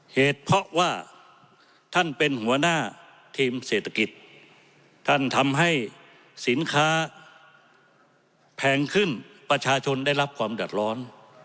เหตุเพราะว่าท่านเป็นหัวหน้าทีมเศรษฐกิจท่านทำให้สินค้าแพงขึ้นประชาชนได้รับความเดือดร้อน